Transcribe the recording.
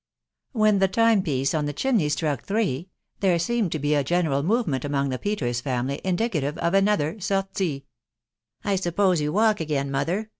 When the tisae piece on the chimney struck three, there seemed to he a general movement Among the Peters family, indicative of another *ort<>. " I suppose you walk again, mother.?"